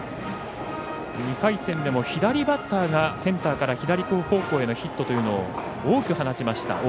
２回戦でも左バッターがセンターから左方向へのヒットというのを多く放ちました。